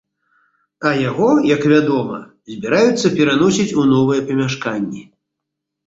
А яго, як вядома, збіраюцца пераносіць у новыя памяшканні.